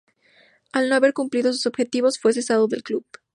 Al no haber cumplido su objetivo, fue cesado del club.